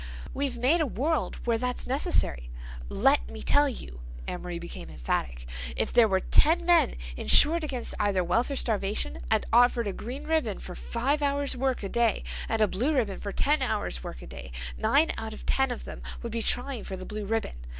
We've made a world where that's necessary. Let me tell you"—Amory became emphatic—"if there were ten men insured against either wealth or starvation, and offered a green ribbon for five hours' work a day and a blue ribbon for ten hours' work a day, nine out of ten of them would be trying for the blue ribbon.